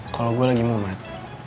kalau gue lagi memat